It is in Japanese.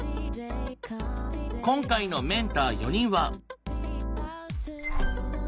今回のメンター４人は？